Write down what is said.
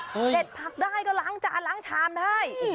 เห็ดผักได้ก็ล้างจานล้างชามได้